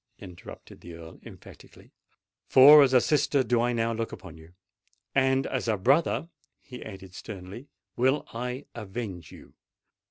interrupted the Earl emphatically; "for as a sister do I now look upon you—and as a brother," he added sternly, "will I avenge you.